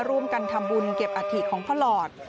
ร่วมกันทำบุญเก็บอัฐิของพ่อหลอด